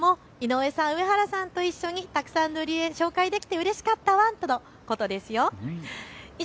しゅと犬くんも井上さん、上原さんと一緒にたくさん塗り絵紹介できてうれしかったワンとのことですよ。